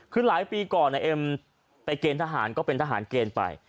คือหลายปีก่อนเอ็มไปเกณฑ์ทหารก็เป็นทหารเกณฑ์ไป